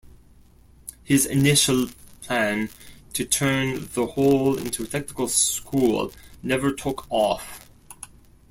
His initial plan to turn the hall into a technical school never took off.